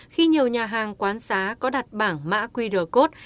khi nhiều nhà hàng quán xá có đặt bảng mã quy rờ cốt